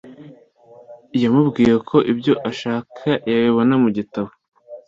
yamubwiye ko ibyo ashaka yabibona mu gitabo